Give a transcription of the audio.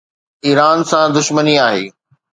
Iran سان دشمني آهي.